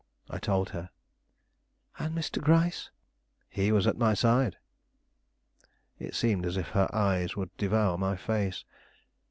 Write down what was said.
I told her. "And Mr. Gryce?" "He was at my side." It seemed as if her eyes would devour my face.